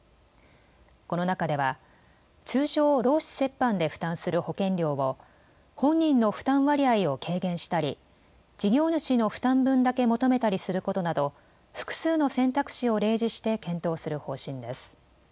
この中では通常、労使折半で負担する保険料を本人の負担割合を軽減したり事業主の負担分だけ求めたりすることなど複数の選択肢を例示して検討する方針です。